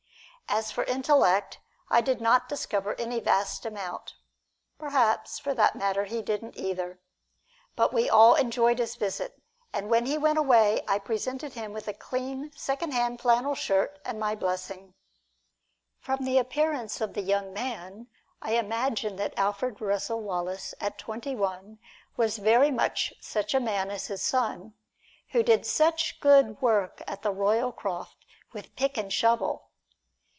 As for intellect, I did not discover any vast amount; perhaps, for that matter, he didn't either. But we all greatly enjoyed his visit, and when he went away I presented him with a clean, secondhand flannel shirt and my blessing. From the appearance of the young man I imagine that Alfred Russel Wallace at twenty one was very much such a man as his son, who did such good work at the Roycroft with pick and shovel.